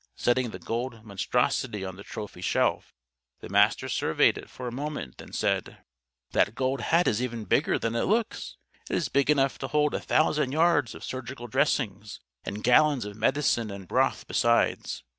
Setting the golden monstrosity on the trophy shelf, the Master surveyed it for a moment; then said: "That Gold Hat is even bigger than it looks. It is big enough to hold a thousand yards of surgical dressings; and gallons of medicine and broth, besides.